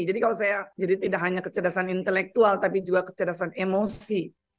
jadi kalau saya jadi tidak hanya kecerdasan intelektual tapi juga kecerdasan emosi